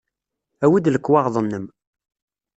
Awi-d lekwaɣeḍ-nnem.